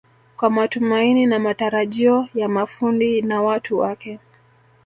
kwa matumaini na matarajio ya mafundi na watu wake